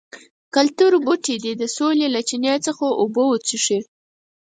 کلتور بوټي دې د سولې له چینې څخه اوبه وڅښي.